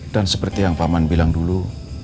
dan seperti yang paman bilang dulu